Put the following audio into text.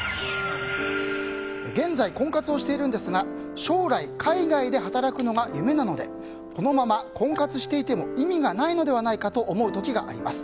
現在、婚活をしているんですが将来、海外で働くのが夢なのでこのまま婚活をしていても意味がないのではないかと思う時があります。